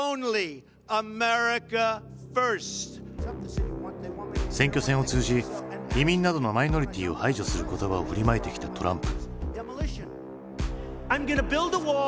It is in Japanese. Ａｍｅｒｉｃａｆｉｒｓｔ．選挙戦を通じ移民などのマイノリティーを排除する言葉を振りまいてきたトランプ。